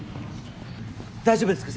大丈夫ですか？